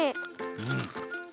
うん。